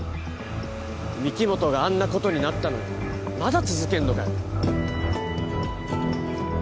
御木本があんなことになったのにまだ続けんのかよ？